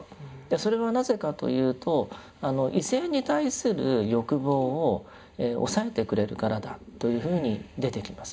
それはなぜかというと異性に対する欲望を抑えてくれるからだというふうに出てきます。